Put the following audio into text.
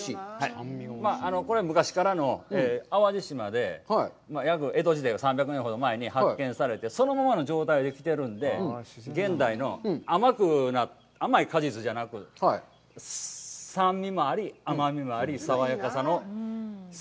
これ、昔からの、淡路島で江戸時代の３００年ほど前に発見されて、そのままの状態で来てるんで、現代の甘い果実じゃなく、酸味もあり、甘みもあり、爽やかさも。